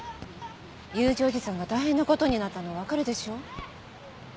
裕二叔父さんが大変な事になったのわかるでしょう？